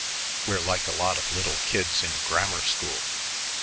We're like a lot of little kids in grammar school.